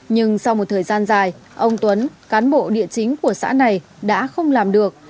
nhưng sau một thời gian dài ông tuấn cán bộ địa chính của xã này đã không làm được